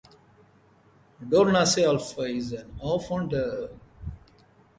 Dornase alfa is an orphan drug.